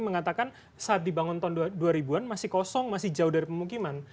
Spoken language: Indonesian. mengatakan saat dibangun tahun dua ribu an masih kosong masih jauh dari pemukiman